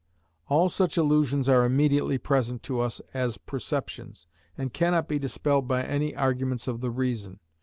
All such illusions are immediately present to us as perceptions, and cannot be dispelled by any arguments of the reason.